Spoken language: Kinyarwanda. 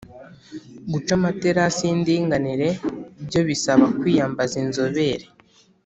Guca amaterasi y’indinganire byo bisaba kwiyambaza inzobere.